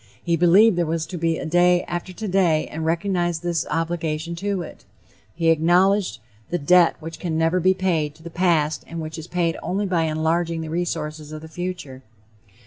He believed there was to be a day after today and recognized his obligation to it; he acknowledged the debt which can never be paid to the past and which is paid only by enlarging the resources of the future.